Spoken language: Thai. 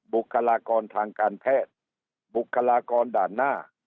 บุคลากรทางการแพทย์บุคลากรด่านหน้า